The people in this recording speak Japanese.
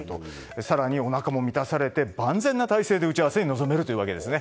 更におなかも満たされて万全な態勢で打ち合わせに臨めるんですね。